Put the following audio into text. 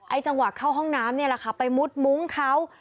จังหวะเข้าห้องน้ำนี่แหละค่ะไปมุดมุ้งเขา